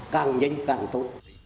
càng nhanh càng tốt